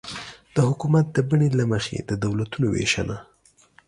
د حکومت د بڼې له مخې د دولتونو وېشنه